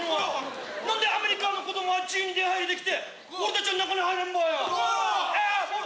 なんでアメリカの子供は自由に出入りできて俺たちは中に入れんばよ。